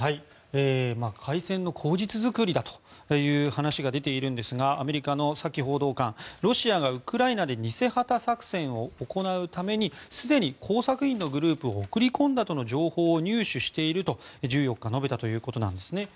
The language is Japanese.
開戦の口実作りだという話が出ているんですがアメリカのサキ報道官ロシアがウクライナで偽旗作戦を行うためにすでに工作員のグループを送り込んだとの情報を入手していると１４日、述べたということです。